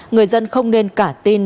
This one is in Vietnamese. người dân không nên cả tin